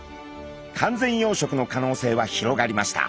完全養殖の可能性は広がりました。